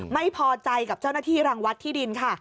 ไม่พอใจกับเจ้าหน้าที่รังวัดที่ดินค่ะ